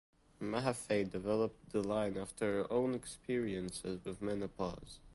Mahaffey developed the line after her own experiences with menopause.